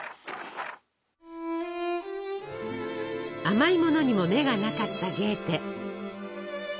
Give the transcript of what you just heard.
甘いものにも目がなかったゲーテ。